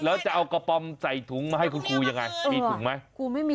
แล้วจะเอากะป๑มใส่ถุงมาให้คุณกูยังไงมีถุงไหม